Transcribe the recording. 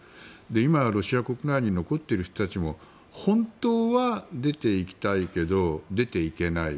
今ロシア国内に残っている人たちも本当は出ていきたいけど出ていけない。